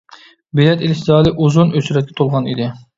بېلەت ئېلىش زالى ئۇزۇن ئۆچرەتكە تولغان ئىدى.